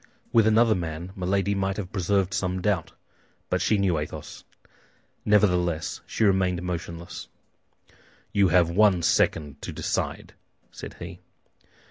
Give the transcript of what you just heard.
With another man, Milady might have preserved some doubt; but she knew Athos. Nevertheless, she remained motionless. "You have one second to decide," said he.